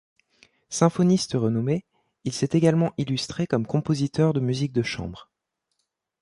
Symphoniste renommé, il s'est également illustré comme compositeur de musique de chambre.